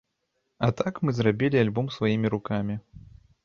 А так мы зрабілі альбом сваімі рукамі!